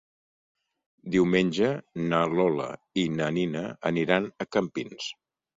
Diumenge na Lola i na Nina aniran a Campins.